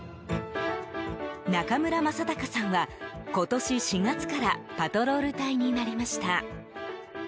中村正孝さんは、今年４月からパトロール隊になりました。